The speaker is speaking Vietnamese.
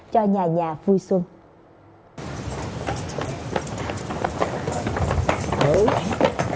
cho nhà nhà vui xuân